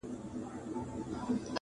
پخوانی پاچا محمد ظاهر شاه هم راتلئ